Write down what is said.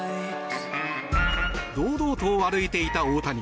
堂々と歩いていた大谷。